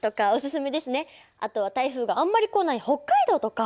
あとは台風があんまり来ない北海道とか。